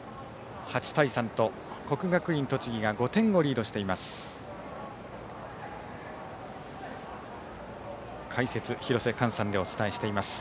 ８対３と国学院栃木が５点をリードしています。